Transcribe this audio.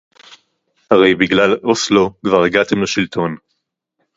הרי בגלל אוסלו כבר הגעתם לשלטון